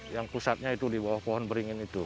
yang pusatnya itu di bawah pohon beringin itu